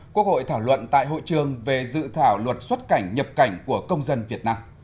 quốc hội thảo luận tại hội trường về dự thảo luật xuất cảnh nhập cảnh của công dân việt nam